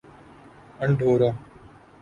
Andorra